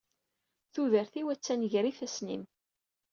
Tudert-iw attan gar ifassen-im.